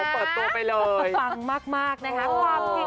ปอบตัวไปเลยค่ะปังมากนะคะ